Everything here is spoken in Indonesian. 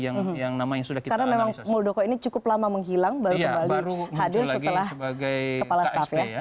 karena memang muldoko ini cukup lama menghilang baru kembali hadir sebagai ksp ya